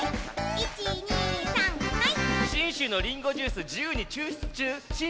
１２３はい！